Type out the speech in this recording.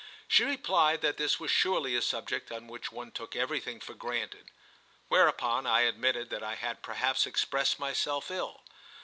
She replied that this was surely a subject on which one took everything for granted; whereupon I admitted that I had perhaps expressed myself ill.